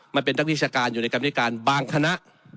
มันเป็นนักวิชาการอยู่ในกรรมธิการบางคณะ